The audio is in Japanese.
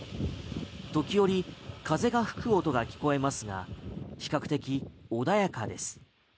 時折、風が吹く音が聞こえますが比較的穏やかです。